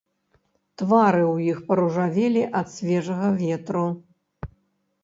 Твары ў іх паружавелі ад свежага ветру.